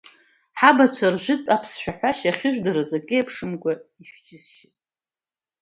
Ҳабацәа ржәытә аԥсшәа ҳәашьа ахьыжәдырыз, акы еиԥшымкәа ишәџьысшьеит!